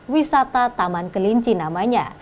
wisata taman kelinci namanya